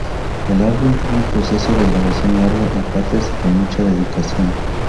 El álbum tuvo un proceso de grabación largo, en partes y con mucha dedicación.